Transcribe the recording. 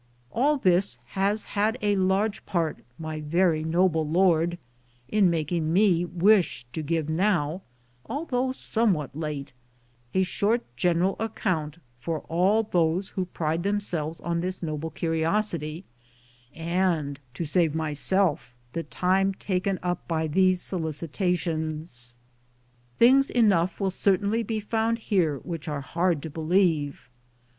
All this has had a large part, my very noble lord, in making me wish to give now, although somewhat late, a short general account for all those who pride themselves on this noble curiosity, and to save myself the time taken up by these solicitations. Things enough will certainly be found here which are hard to believe.